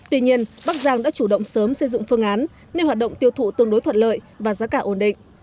tuy nhiên bắc giang đã chủ động sớm xây dựng phương án nên hoạt động tiêu thụ tương đối thuận lợi và giá cả ổn định